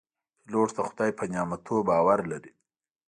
پیلوټ د خدای په نعمتونو باور لري.